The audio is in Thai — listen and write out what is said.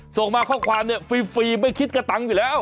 ส่งมาข้อความเนี่ยฟรีไม่คิดกระตังค์อยู่แล้ว